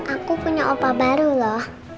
aku punya opa baru loh